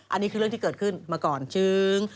อันนี้คือเรื่องที่เกิดขึ้นมาก่อนชึ้ง